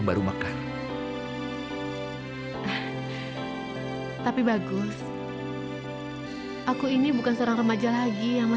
sampai jumpa di video selanjutnya